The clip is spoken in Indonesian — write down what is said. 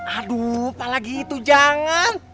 aduh apalagi itu jangan